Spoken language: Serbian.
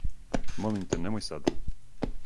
Молим те, немој сад.